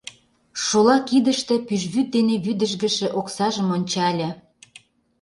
Шола кидыште пӱжвӱд дене вӱдыжгышӧ оксажым ончале.